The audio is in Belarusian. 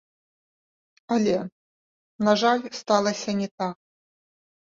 Але, на жаль, сталася не так.